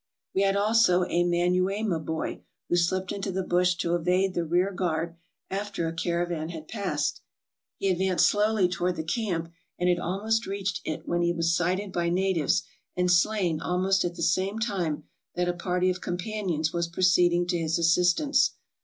We had also a Manuema boy who slipped into the bush to evade the rear guard, alter a caravan had passed. He AFRICA 345 advanced slowly toward the camp and had almost reached it when he was sighted by natives and slain almost at the same time that a party of companions was proceeding to his assistance.